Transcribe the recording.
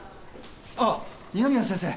あっ二宮先生